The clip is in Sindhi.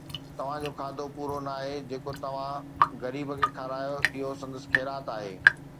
توهان جو کاڌو پورو ناهي، جيڪو توهان غريب کي کارايو اهو سندس خيرات آهي